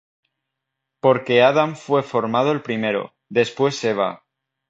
Porque Adam fué formado el primero, después Eva;